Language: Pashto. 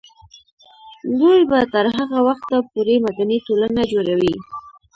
دوی به تر هغه وخته پورې مدني ټولنه جوړوي.